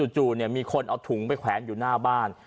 จู่เนี่ยมีคนเอาถุงไปแขวนอยู่หน้าบ้าน